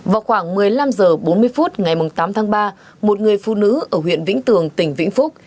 vào khoảng một mươi năm h bốn mươi phút ngày tám tháng ba một người phụ nữ ở huyện vĩnh tường tỉnh vĩnh phúc